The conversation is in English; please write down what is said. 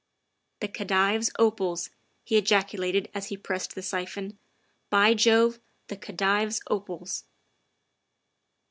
' The Khedive's opals," he ejaculated as he pressed the siphon. " By Jove! The Khedive's opals."